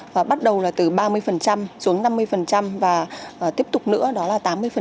và bắt đầu là từ ba mươi xuống năm mươi và tiếp tục nữa đó là tám mươi